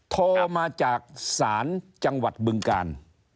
โทรมาจากศาลจังหวัดบึงกาล